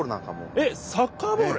えっサッカーボール！？